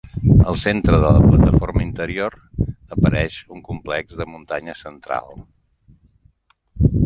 Al centre de la plataforma interior apareix un complex de muntanyes central.